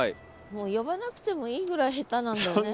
呼ばなくてもいいぐらい下手なんだよね